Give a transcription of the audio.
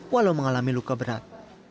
walau mengalami luka berat